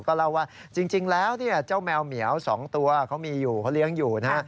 ก็เล่าว่าจริงแล้วเจ้าแมวเหมียว๒ตัวเขามีอยู่เขาเลี้ยงอยู่นะฮะ